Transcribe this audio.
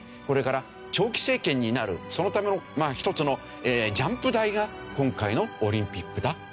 これから長期政権になるそのための一つのジャンプ台が今回のオリンピックだ。